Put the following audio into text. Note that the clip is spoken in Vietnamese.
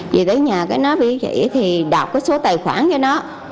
về tới nhà cái nó bị vậy thì đọc cái số tài khoản cho nó